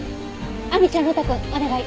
亜美ちゃん呂太くんお願い。